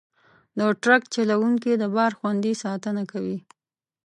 د ټرک چلوونکي د بار خوندي ساتنه کوي.